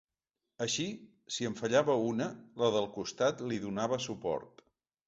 Així, si en fallava una, la del costat li donava suport.